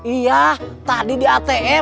iya tadi di ate